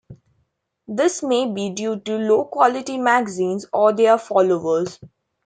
This may be due to low quality magazines, or their followers.